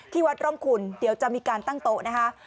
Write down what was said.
วัดร่องคุณเดี๋ยวจะมีการตั้งโต๊ะนะคะ